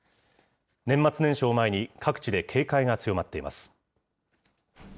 年末年始を前に、各地で警戒が強まっています。